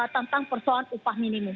tentang persoalan upah minimum